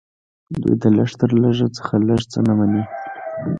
دوی د لږ تر لږه څخه لږ څه نه مني